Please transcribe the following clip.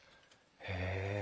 へえ。